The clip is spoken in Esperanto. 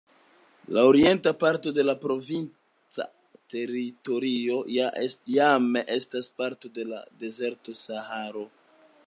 La orienta parto de la provinca teritorio jam estas parto de la dezerto Saharo.